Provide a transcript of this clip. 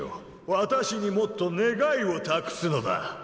私にもっと願いを託すのだ。